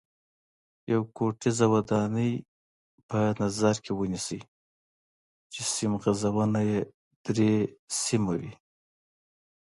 یوه کوټیزه ودانۍ په نظر کې ونیسئ چې سیم غځونه یې درې سیمه وي.